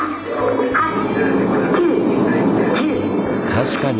確かに！